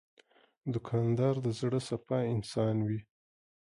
دوکاندار د زړه صفا انسان وي.